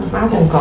máu bụng cổ